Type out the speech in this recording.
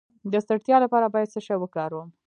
د ستړیا لپاره باید څه شی وکاروم؟